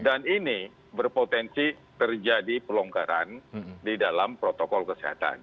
dan ini berpotensi terjadi pelonggaran di dalam protokol kesehatan